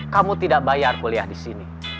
kamu tidak bayar kuliah di sini